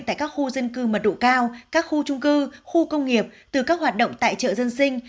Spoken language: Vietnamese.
tại các khu dân cư mật độ cao các khu trung cư khu công nghiệp từ các hoạt động tại chợ dân sinh